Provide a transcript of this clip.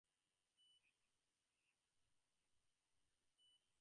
In these cases the pronunciation is identical to writing the kana out in full.